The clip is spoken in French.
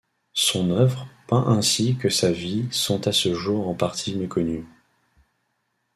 Son œuvre peint ainsi que sa vie sont à ce jour en partie méconnus.